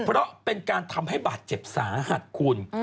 เพราะเป็นการทำให้บาดเจ็บสาหัสคุณ